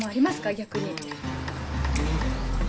逆に。